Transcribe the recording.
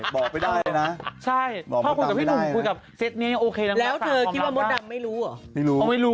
บอกไม่ได้เลยนะบอกมดดำไม่ได้เลยนะแล้วเธอคิดว่ามดดำไม่รู้เหรอ